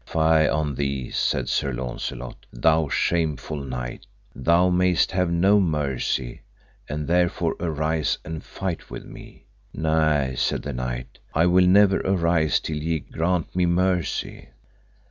Fie on thee, said Sir Launcelot, thou shameful knight, thou mayest have no mercy, and therefore arise and fight with me. Nay, said the knight, I will never arise till ye grant me mercy.